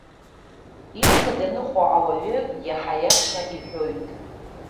Ижәны даныҟоу ауаҩы иаҳа аиаша иҳәоит.